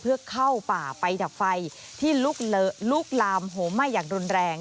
เพื่อเข้าป่าไปดับไฟที่ลุกลามโหมไหม้อย่างรุนแรง